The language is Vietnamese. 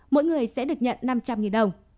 mỗi người sẽ được nhận năm trăm linh đồng